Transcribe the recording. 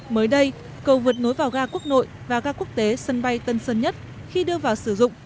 mới đây cầu vượt nối vào ga quốc nội và ga quốc tế sân bay tân sơn nhất khi đưa vào sử dụng